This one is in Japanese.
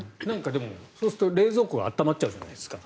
でも、そうすると冷蔵庫が温まっちゃうじゃないですか。